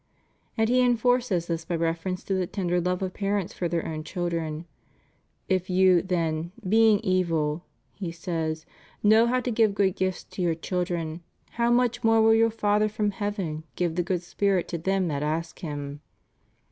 ^ And He enforces this by reference to the tender love of parents for their own children. If you, then, being evil, He says, know how to give good gifts to your children, how much more will your Father from heaven give the good Spirit to them that ask Him.